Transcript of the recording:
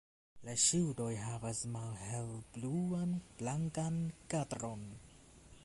La ŝildo havas malhelbluan-blankan kadron.